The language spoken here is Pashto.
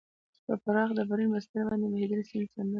پر پراخ ډبرین بستر باندې بهېدلې، د سیند پر څنډه.